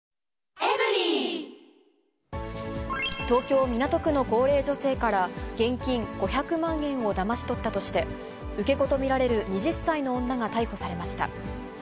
東京・港区の高齢女性から、現金５００万円をだまし取ったとして、受け子と見られる２０歳の女が逮捕されました。